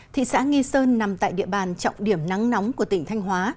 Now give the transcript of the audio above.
thị xã nghi sơn nằm tại địa bàn trọng điểm nắng nóng của tỉnh thanh hóa